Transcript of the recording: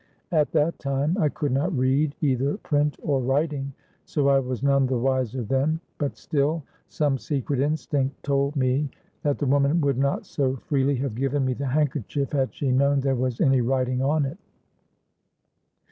At that time I could not read either print or writing, so I was none the wiser then; but still, some secret instinct told me, that the woman would not so freely have given me the handkerchief, had she known there was any writing on it.